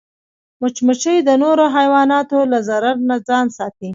مچمچۍ د نورو حیواناتو له ضرر نه ځان ساتي